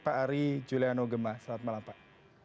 pak ari juliano gemah selamat malam pak